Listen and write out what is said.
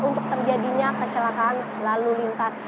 untuk terjadinya kecelakaan lalu lintas